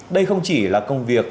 đây không chỉ là công việc